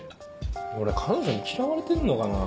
俺彼女に嫌われてんのかな？